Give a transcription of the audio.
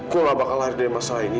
gue gak bakal lahir dari masalah ini